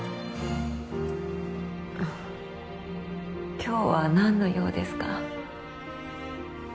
今日は何の用ですか？